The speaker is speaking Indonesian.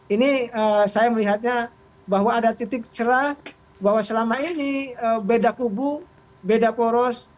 ini saya melihatnya bahwa ada titik cerah bahwa selama ini beda kubu beda poros